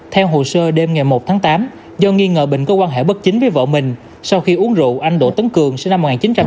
theo hồ sơ đêm ngày một tháng tám do nghi ngờ bình có quan hệ bất chính với vợ mình sau khi uống rượu anh đỗ tấn cường sinh năm một nghìn chín trăm tám mươi